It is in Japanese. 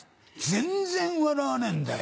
全然笑わねえんだよ。